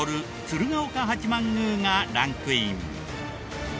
鶴岡八幡宮がランクイン。